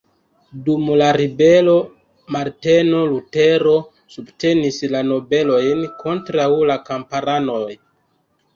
Dum la ribelo Marteno Lutero subtenis la nobelojn kontraŭ la kamparanoj.